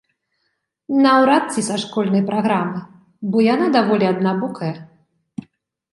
Наўрад ці са школьнай праграмы, бо яна даволі аднабокая.